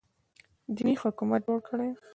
دیني حکومت جوړ کړي